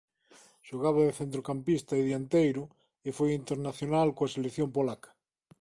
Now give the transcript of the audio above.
Xogaba de centrocampista e dianteiro e foi internacional coa selección polaca.